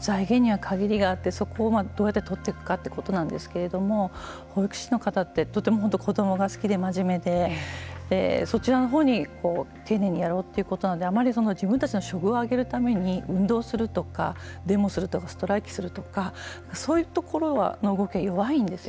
財源には限りがあってそこをどうやって取っていくかということなんですけれども保育士の方ってとても本当に子どもが好きで真面目でそちらのほうに丁寧にやろうということなのであまり自分たちの処遇を上げるために運動するとかデモをするとかストライキをするとかそういうところの動きは弱いんですよね。